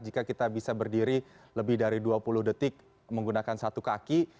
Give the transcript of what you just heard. jika kita bisa berdiri lebih dari dua puluh detik menggunakan satu kaki